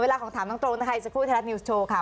เวลาของถามตรงเราก็เริ่มได้นะครับ